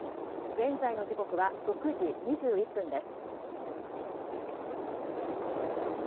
現在の時刻は６時２１分です。